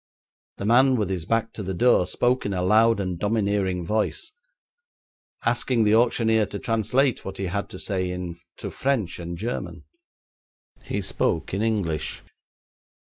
The man with his back to the door spoke in a loud and domineering voice, asking the auctioneer to translate what he had to say into French and German; he spoke in English.